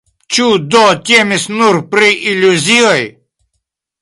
Ĉu do temis nur pri iluzioj?